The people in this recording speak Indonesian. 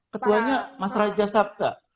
ketuanya mas raja sabta